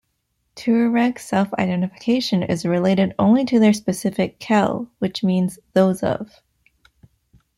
Tuareg self-identification is related only to their specific "Kel", which means "those of".